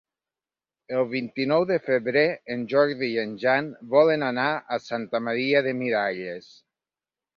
El vint-i-nou de febrer en Jordi i en Jan volen anar a Santa Maria de Miralles.